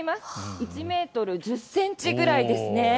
１ｍ１０ｃｍくらいですね。